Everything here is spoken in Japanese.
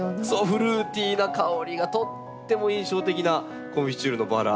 フルーティーな香りがとっても印象的なコンフィチュールのバラ